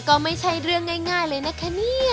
ก็ไม่ใช่เรื่องง่ายเลยนะคะเนี่ย